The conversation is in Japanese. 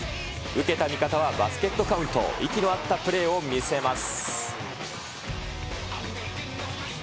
受けた味方はバスケットカウント、息の合ったプレーを見せます。